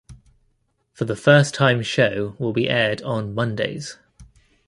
For the first time show will be aired on Mondays.